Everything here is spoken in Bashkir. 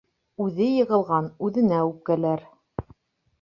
Үҙе йығылған үҙенә үпкәләр.